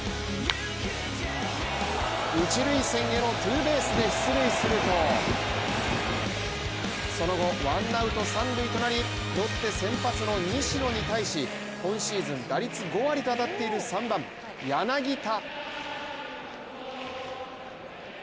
一塁線へのツーベースで出塁するとその後、ワンアウト三塁となりロッテ先発の西野に対し今シーズン打率５割と当たっている３番・柳田。